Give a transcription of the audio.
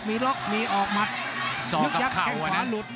มีหลกออกมัดยึกยักฬ์แข่งขวาหลุด